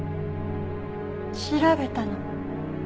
調べたの。